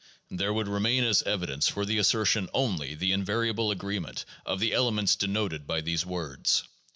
'' There would remain as evidence for the assertion only the invariable agreement of the elements denoted by these words.